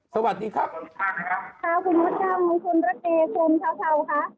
สวัสดีครับสวัสดีค่ะคุณพระจำคุณรถดีคุณเช้าเช้าค่ะ